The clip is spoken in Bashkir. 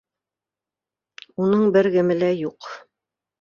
Уның бер кеме лә юҡ